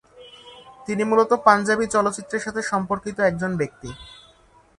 তিনি মুলত পাঞ্জাবি চলচ্চিত্রের সাথে সম্পর্কিত একজন ব্যক্তি।